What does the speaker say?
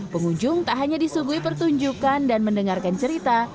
pengunjung tak hanya disugui pertunjukan dan mendengarkan cerita